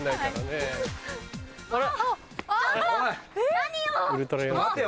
何よ！